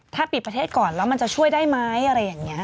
ถ้าปิดประเทศก่อนแล้วมันจะช่วยได้ไหมอะไรอย่างนี้